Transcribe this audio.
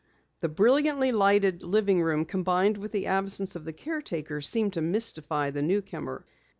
The brilliantly lighted living room combined with the absence of the caretaker, seemed to mystify the newcomer.